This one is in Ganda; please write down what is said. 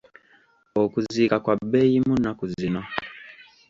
Okuziika kwa bbeeyimu nnaku zino.